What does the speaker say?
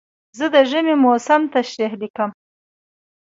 زه د ژمي موسم تشریح لیکم.